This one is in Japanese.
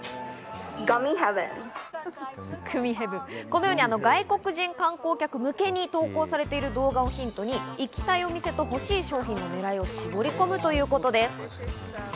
このように外国人観光客向けに投稿されている動画をヒントに行きたいお店と欲しい商品のねらいを絞り込むということです。